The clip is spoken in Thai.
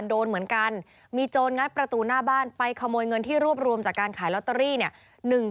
โดนเหมือนกันมีโจรงัดประตูหน้าบ้านไปขโมยเงินที่รวบรวมจากการขายลอตเตอรี่เนี่ย